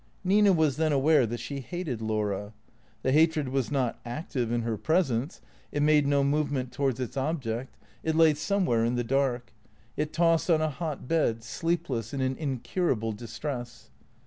Nina was then aware that she hated Laura. The hatred was not active in her presence; it made no movement towards its 382 T H E C E E A T 0 E S 383 object; it lay somewhere in the dark; it tossed on a hot bed, sleepless in an incurable distress.